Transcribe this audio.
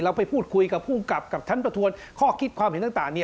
เราไปพูดคุยกับผู้กับท่านประทวนข้อคิดความเห็นต่าง